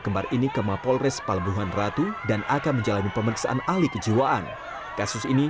kembar ini ke mapolres palembuhan ratu dan akan menjalani pemeriksaan ahli kejiwaan kasus ini